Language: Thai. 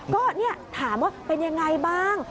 ก็ถามว่าเป็นอย่างไรบ้าง